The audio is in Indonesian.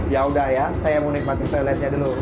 ya sudah saya mau nikmati selainnya dulu